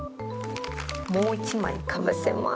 もう１枚かぶせます。